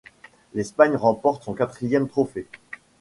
L'Espagne remporte son quatrième trophée.